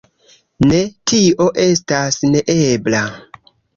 Ne, tio estas neebla.